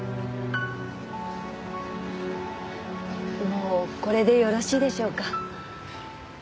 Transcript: もうこれでよろしいでしょうか？